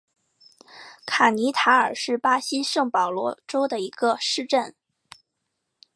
卡尼塔尔是巴西圣保罗州的一个市镇。